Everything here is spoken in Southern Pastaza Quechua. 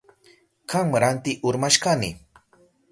Kanranti urmashkani.